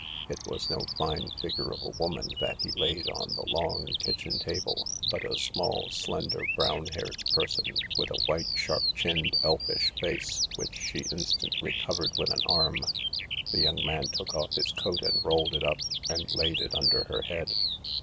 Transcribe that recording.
It was no fine figure of a woman that he laid on the long kitchen table, but a small, slender, brown haired person with a white, sharp chiftfted, elfish face, which she instantly covered with an arm. The young man took off his coat and rolled it up and laid it under her head.